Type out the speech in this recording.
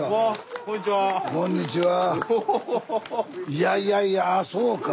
いやいやいやああそうか。